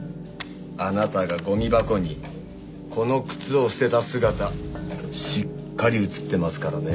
あなたがゴミ箱にこの靴を捨てた姿しっかり映ってますからね。